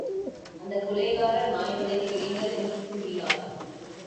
அந்தக் கொலைகார நாய்களைப் பிடியுங்கள் என்று கூவினார்.